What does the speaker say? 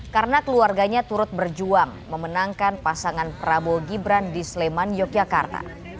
karena keluarganya turut berjuang memenangkan pasangan prabowo gibran di sleman yogyakarta